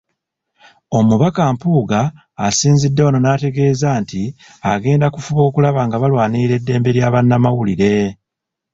Omubaka Mpuuga asinzidde wano n'ategeeza nti agenda kufuba okulaba nga balwanirira eddembe lya bannamawulire .